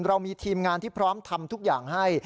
เรามีทีมงานที่พร้อมทำทุกอย่างให้